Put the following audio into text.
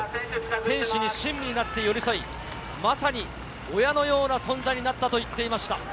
選手に親身になって寄り添い、まさに親のような存在になったと言っていました。